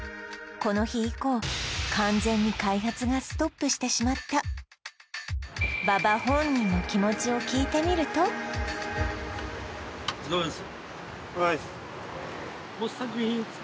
この日以降完全に開発がストップしてしまった馬場本人の気持ちを聞いてみるとお疲れさまです